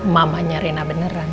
mamanya rena beneran